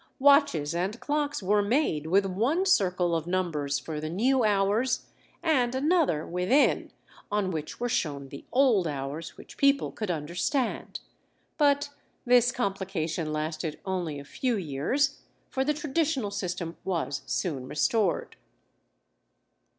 Watches and clocks were made with one circle of numbers for the new hours, and another, within, on which were shown the old hours which people could understand. But this complication lasted only a few years, for the traditional system was soon restored.